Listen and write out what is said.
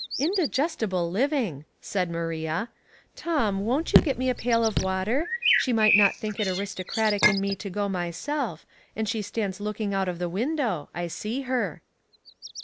" Indigestible living," said Maria. " Tom, won't you get me a pail of water ? she might not think it aristocratic in me to go myself, and she stands looking oat of the window — I see her."